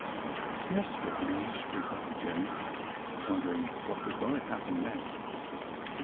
"Yes, Your Highness," replied Jenny, wondering what was going to happen next.